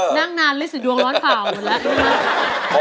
นั่งนานฤทธิ์ดวงร้อนข่าวหมดแล้ว